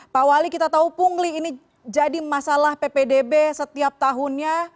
pak wali kita tahu pungli ini jadi masalah ppdb setiap tahunnya